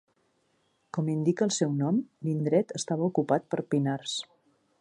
Com indica el seu nom, l'indret estava ocupat per pinars.